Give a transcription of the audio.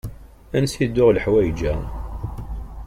Ansi d-tuɣ leḥwayeǧ-a?